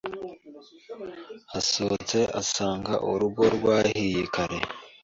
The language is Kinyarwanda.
asohotse asanga urugo rwahiye kare.